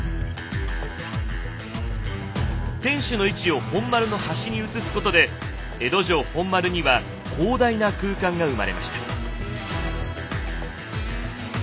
天守の位置を本丸の端に移すことで江戸城本丸には広大な空間が生まれました。